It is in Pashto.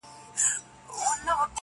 پاچهي یې د مرغانو مسخره سوه-